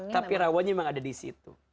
tapi rawannya memang ada disitu